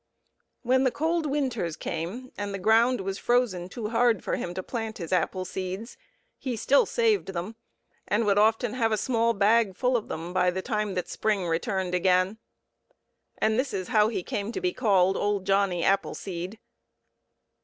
When the cold winters came and the ground was frozen too hard for him to plant his apple seeds, he still saved them, and would often have a small bag full of them by the time that spring returned again. And this is how he came to be called "Old Johnny Appleseed."